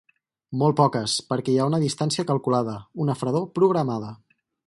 Molt poques, perquè hi ha una distància calculada, una fredor programada.